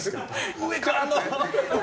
上からの！